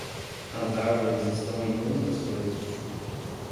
As árvores estão em muitas coisas.